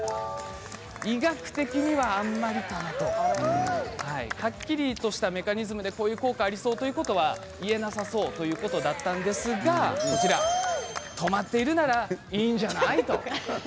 医学的には、あんまりはっきりとしたメカニズムでこういう効果がありそうとはいえなさそうということだったんですが止まっているならいいんじゃない？と。